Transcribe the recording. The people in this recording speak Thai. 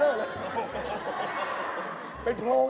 เป็นปีนจมูกนี้